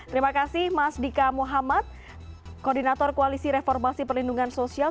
terima kasih mas dika muhammad koordinator koalisi reformasi perlindungan sosial